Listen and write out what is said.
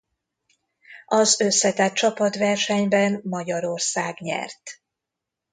Az összetett csapatversenyben Magyarország nyert.